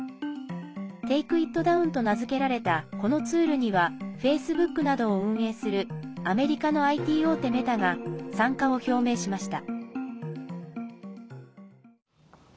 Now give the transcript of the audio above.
テイクイットダウンと名付けられた、このツールにはフェイスブックなどを運営するアメリカのＩＴ大手メタが参加を表明しました。